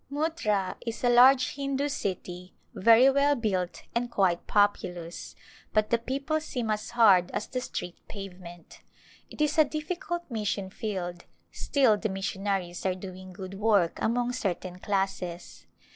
Muttra is a large Hindu city, very well built and quite populous, but the people seem as hard as the street pavement. It is a difficult mission field, still the missionaries are doing good work among certain classes.